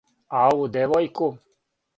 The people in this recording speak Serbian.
А ову девојку?